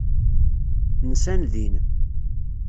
Nsan din.